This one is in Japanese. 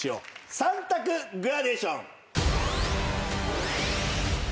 ３択グラデーション。